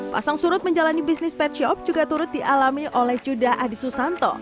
pasang surut menjalani bisnis pet shop juga turut dialami oleh cuda adhisu santo